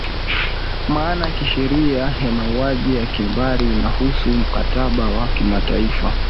maana ya kisheria ya mauaji ya kimbari inahusu mkataba wa kimataifa